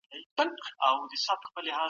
انځور جوړ کړه او تمرکز وکړه.